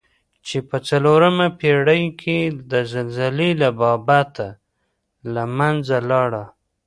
چې په څلورمه پېړۍ کې د زلزلې له بابته له منځه لاړه.